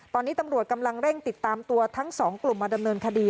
ตอนนี้ตำรวจกำลังเร่งติดตามตัวทั้งสองกลุ่มมาดำเนินคดี